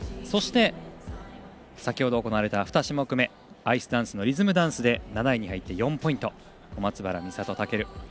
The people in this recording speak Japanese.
そして、先ほど行われた２種目めアイスダンスのリズムダンスで７位に入って４ポイント小松原美里、尊。